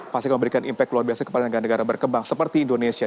pasti memberikan impact luar biasa kepada negara negara berkembang seperti indonesia